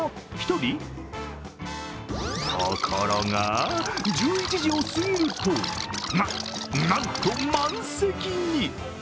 ところが、１１時をすぎるとな、なんと満席に！